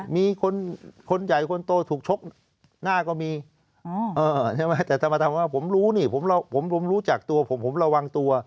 มีคนใหญ่คนโตถูกชกหน้าก็มีใช่ไหมแต่ถ้ามาทำว่าผมรู้นี่ผมรู้จักตัวผมผมระวังตัว